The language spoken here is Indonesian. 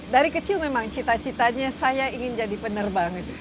dari kecil memang cita citanya saya ingin jadi penerbang